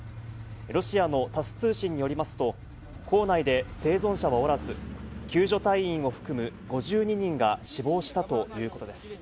ロシアのタス通信によりますと、坑内で生存者はおらず、救助隊員を含む５２人が死亡したということです。